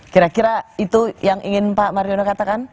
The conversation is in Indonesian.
kira kira itu yang ingin pak mariono katakan